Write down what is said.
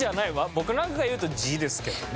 僕なんかが言うと「ジ」ですけどね。